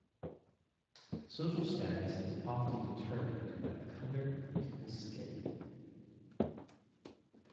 Social status is often determined by the color of the people's skin.